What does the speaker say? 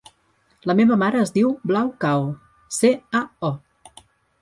La meva mare es diu Blau Cao: ce, a, o.